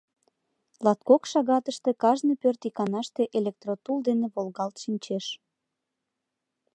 Латкок шагатыште кажне пӧрт иканаште электротул дене волгалт шинчеш.